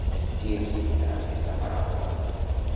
Qui explica aquesta paràbola?